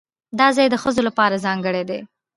دا ځای د ښځو لپاره ځانګړی دی.